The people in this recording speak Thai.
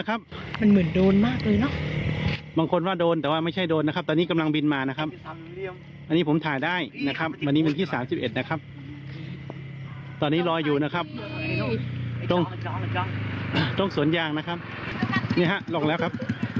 ขึ้นอีกแล้วนะครับนี่คือแสงผีโผงนะครับ